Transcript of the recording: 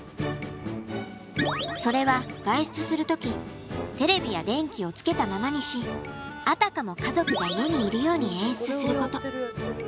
それは外出する時テレビや電気をつけたままにしあたかも家族が家にいるように演出すること。